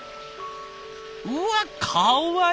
うわっかわいい！